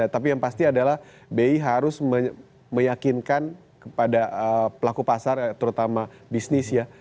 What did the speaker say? tapi yang pasti adalah bi harus meyakinkan kepada pelaku pasar terutama bisnis ya